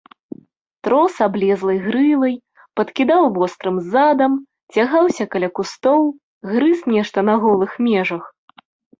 Трос аблезлай грывай, падкідаў вострым задам, цягаўся каля кустоў, грыз нешта на голых межах.